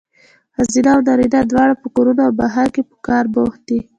ښځینه او نارینه دواړه په کورونو او بهر کې په کار بوخت دي.